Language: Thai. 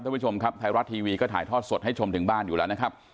ท่านผู้ชมครับไทยรัฐทีวีก็ถ่ายทอดสดให้ชมถึงบ้านอยู่แล้วนะครับ